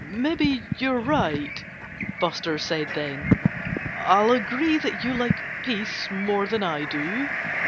"Maybe you're right," Buster said then. "I'll agree that you like peace more than I do.